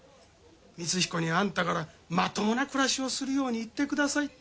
光彦にアンタからまともな暮らしをするように言ってください。